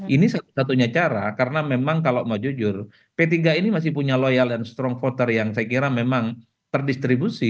ini satu satunya cara karena memang kalau mau jujur p tiga ini masih punya loyal dan strong voter yang saya kira memang terdistribusi